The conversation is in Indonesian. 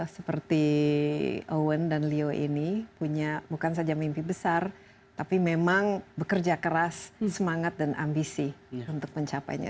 seperti owen dan leo ini punya bukan saja mimpi besar tapi memang bekerja keras semangat dan ambisi untuk mencapainya